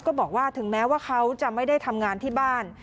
ก็บอกว่าถึงแม้ว่าเขาจะไม่ได้ทำงานที่บ้าน